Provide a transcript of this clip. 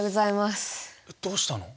どうしたの？